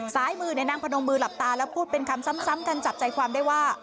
ซ้ายมือนางพนมมือหลับตาแล้วพูดเป็นคำซ้ำกันจับใจความได้ว่า